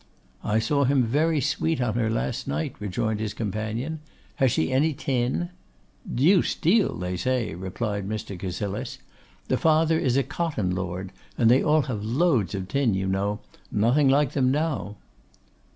'I saw him very sweet on her last night,' rejoined his companion. 'Has she any tin?' 'Deuced deal, they say,' replied Mr. Cassilis.' The father is a cotton lord, and they all have loads of tin, you know. Nothing like them now.